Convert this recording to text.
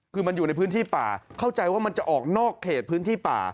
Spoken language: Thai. คือมันอยู่ในพื้นที่ป่าเข้าใจว่ามันจะออกนอกเขตพื้นที่ป่า